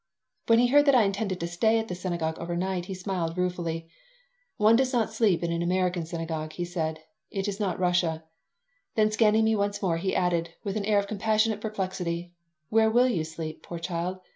When he heard that I intended to stay at the synagogue overnight he smiled ruefully "One does not sleep in an American synagogue," he said. "It is not Russia." Then, scanning me once more, he added, with an air of compassionate perplexity: "Where will you sleep, poor child?